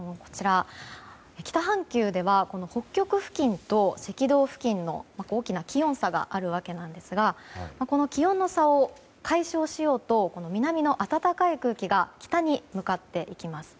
北半球では北極付近と赤道付近の大きな気温差があるわけなんですがこの気温の差を解消しようと南の暖かい空気が北に向かっていきます。